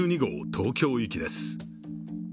東京行きです。